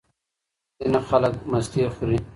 ځینې خلک مستې خوري.